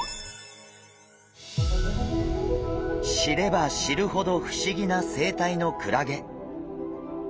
知れば知るほど不思議な生態のクラゲ。